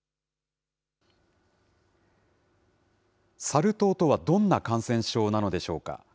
サル痘とは、どんな感染症なのでしょうか。